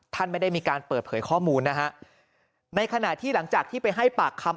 ท่านไม่ได้มีการเปิดเผยข้อมูลนะฮะในขณะที่หลังจากที่ไปให้ปากคำ